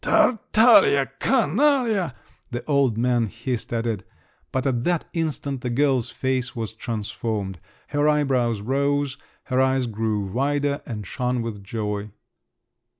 "Tartaglia—canaglia!" the old man hissed at it. But at that instant the girl's face was transformed. Her eyebrows rose, her eyes grew wider, and shone with joy.